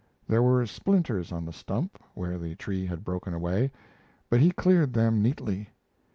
There were splinters on the stump where the tree had broken away, but he cleared them neatly.